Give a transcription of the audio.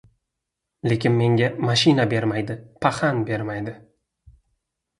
Lekin menga mashina bermaydi, paxan, bermaydi!